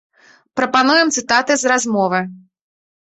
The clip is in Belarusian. Прапануем цытаты з размовы.